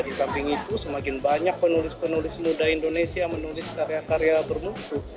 di samping itu semakin banyak penulis penulis muda indonesia menulis karya karya bermutu